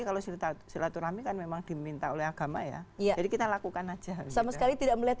kalau silaturahmi kan memang diminta oleh agama ya jadi kita lakukan aja sama sekali tidak melihat